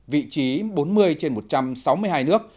vị trí bốn mươi trên một trăm sáu mươi hai nước